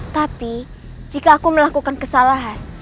tapi jika aku melakukan kesalahan